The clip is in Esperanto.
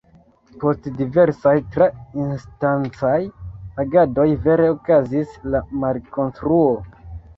Post diversaj tra-instancaj agadoj vere okazis la malkonstruo.